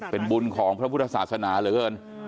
เป็นบุญของพระพุทธศาสนาเหลือเกิน